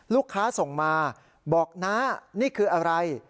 ลูกค้าส่งมาบอกนะนี่คืออะไร